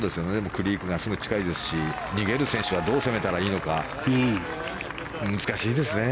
クリークがすぐ近いですし逃げる選手はどう攻めたらいいのか難しいですね。